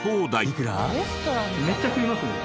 めっちゃ食いますね。